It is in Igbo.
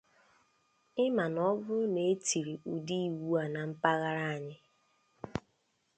Ị ma na ọ bụrụ na e tiri ụdị iwu a na mpaghara anyị